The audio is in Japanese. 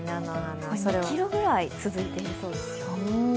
２ｋｍくらい続いているそうですよ。